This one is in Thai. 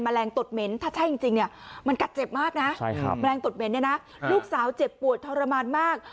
แมลงตุดเม้นเนี่ยนะลูกสาวเจ็บปวดทรมานมาก